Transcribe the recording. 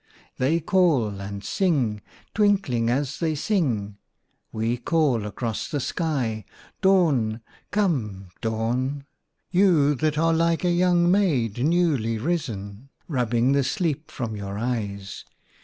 " They call and sing, twinkling as they sing :— 1 We call across the sky, Dawn ! Come, Dawn ! You, that are like a young maid newly risen, Rubbing the sleep from your eyes